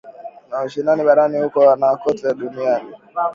Na ushindani barani huko na kote duniani